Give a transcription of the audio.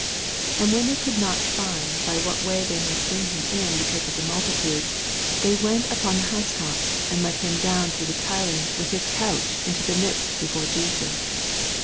19 And when the^ coald not find by what way they mi^ht bring him in becanse of the multitude, they went upon the housetop, and let him down through the tiling with his couch into the midst before Jesus.